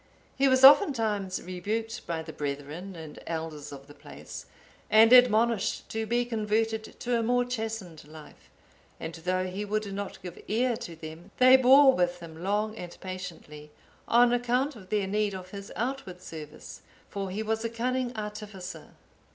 He was oftentimes rebuked by the brethren and elders of the place, and admonished to be converted to a more chastened life; and though he would not give ear to them, they bore with him long and patiently, on account of their need of his outward service, for he was a cunning artificer.